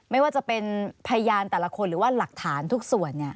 ไม่ว่าจะเป็นพยานแต่ละคนหรือว่าหลักฐานทุกส่วน